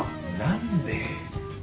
何で？